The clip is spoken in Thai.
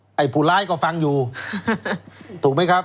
ไอ้ผู้ร้ายก็ฟังอยู่ถูกไหมครับ